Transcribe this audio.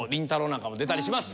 なんかも出たりします。